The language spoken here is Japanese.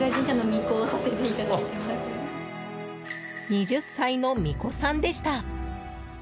２０歳の巫女さんでした。